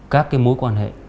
các mối quan hệ